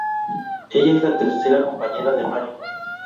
Ella es la tercera compañera de Mario.